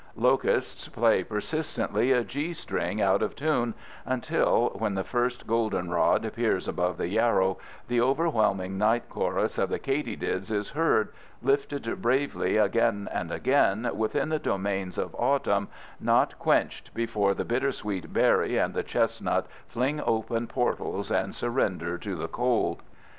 Locusts play persistently a G string out of tune until, when the first goldenrod peers above the yarrow, the overwhelming night chorus of the katydids is heard, lifted bravely again and again within the domains of autumn, not quenched before the bittersweet berry and the chestnut fling open portals and surrender to the cold.